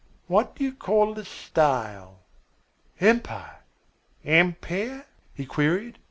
What do you call the style?" "Empire." "Ampeer?" he queried.